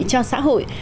cho xã hội